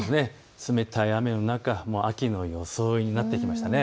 冷たい雨の中、秋の装いになってきました。